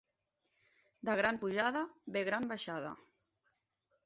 De gran pujada ve gran baixada.